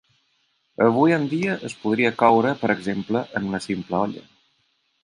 Avui en dia es podria coure, per exemple, en una simple olla.